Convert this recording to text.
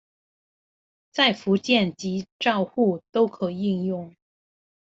在復健及照護都可應用